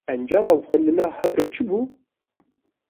Encama xwendina bi hev re, çi bû?